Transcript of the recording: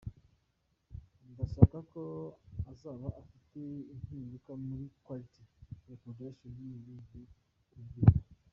Ndashaka ko izaba ifite impinduka muri Quality ya Production n'imiririmbire byumvikana.